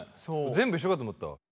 全部一緒かと思ったわ。